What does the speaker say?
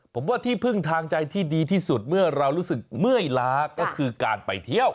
ผมว่าที่พึ่งทางใจที่ดีที่สุดเมื่อเรารู้สึกเมื่อยล้าก็คือการไปเที่ยว